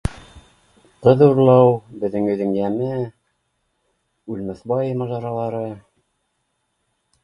Ҡыҙ урлау, беҙҙең өйҙөң йәме, Үлмәҫбай мажаралары